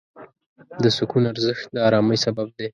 د سکون ارزښت د آرامۍ سبب دی.